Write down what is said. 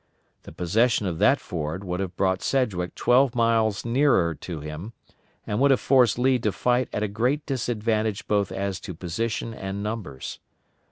The possession of that ford would have brought Sedgwick twelve miles nearer to him, and would have forced Lee to fight at a great disadvantage both as to position and numbers.